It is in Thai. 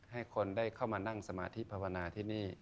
ให้คนได้เข้ามานั่งสมาธิภาวนาที่นี่